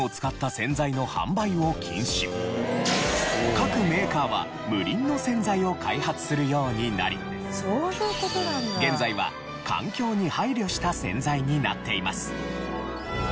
各メーカーは無リンの洗剤を開発するようになり現在は環境に配慮した洗剤になっています。